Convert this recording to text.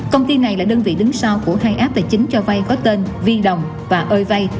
công ty này là đơn vị đứng sau của hai app tài chính cho vây có tên vđ và ov